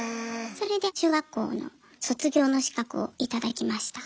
それで中学校の卒業の資格を頂きました。